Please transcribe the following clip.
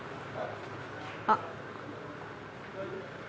あっ。